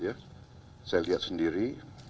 saya lihat sendiri